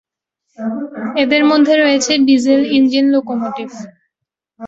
এদের মধ্যে রয়েছে ডিজেল ইঞ্জিন লোকোমোটিভ।